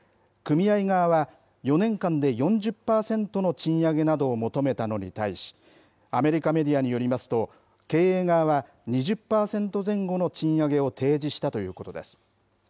組合側は、４年間で４０％の賃上げなどを求めたのに対し、アメリカメディアによりますと、経営側は２０％前後の賃上げを提示したということです。